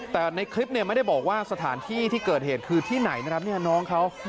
แต่ในคลิปเนี่ยไม่ได้บอกว่าสถานที่ที่เกิดเหตุคือที่ไหนนะครับเนี่ยน้องเขา